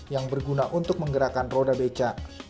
yang berguna untuk menggerakkan roda becak